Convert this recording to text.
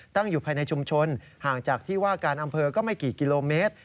ตั้งอยู่ภายในชุมชนห่างจากที่ว่าการอำเภอก็ไม่กี่กิโลเมตร